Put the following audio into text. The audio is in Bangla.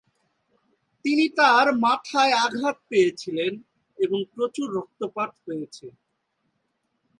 তিনি তার মাথায় আঘাত পেয়েছিলেন এবং প্রচুর রক্তপাত হয়েছে।